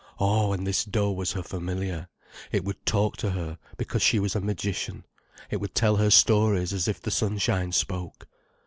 Oh, and this doe was her familiar. It would talk to her, because she was a magician, it would tell her stories as if the sunshine spoke.